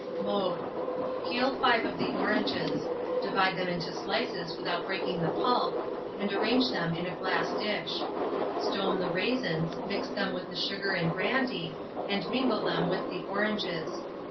Mode. Peel 5 of the oranges; divide them into slices without breaking the pulp, and arrange them on a glass dish. Stone the raisins, mix them with the sugar and brandy, and mingle them with the oranges.